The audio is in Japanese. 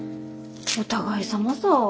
お互いさまさ。